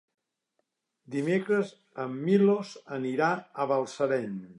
Dimecres en Milos anirà a Balsareny.